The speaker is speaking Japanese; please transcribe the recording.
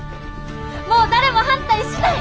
もう誰も反対しない！